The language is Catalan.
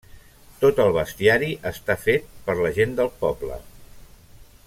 Tot el bestiari està fet per la gent del poble.